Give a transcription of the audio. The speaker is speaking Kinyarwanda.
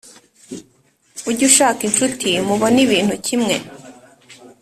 Ujye ushaka incuti mubona ibintu kimwe